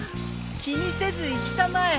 気にせず行きたまえ。